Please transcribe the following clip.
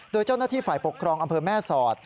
โดยเจ้าหน้าที่ฝ่ายปกครองอำเภอแม่สอด